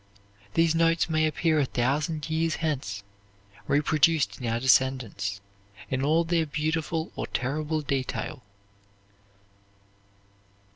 These notes may appear a thousand years hence, reproduced in our descendants, in all their beautiful or terrible detail.